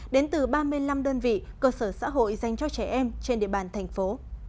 đến từ ba mươi năm đơn vị cơ sở xã hội dành cho trẻ em trên địa bàn thành phố